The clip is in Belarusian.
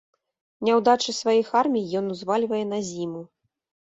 Няўдачы сваіх армій ён узвальвае на зіму.